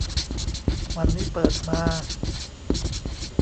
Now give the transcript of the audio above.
วันนี้เปิดมา